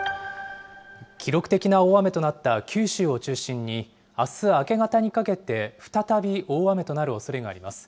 記録的な大雨となった九州を中心に、あす明け方にかけて再び大雨となるおそれがあります。